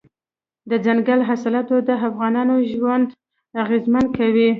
دځنګل حاصلات د افغانانو ژوند اغېزمن کوي.